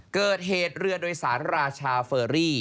เกิดเหตุเรือโดยสารราชาเฟอรี่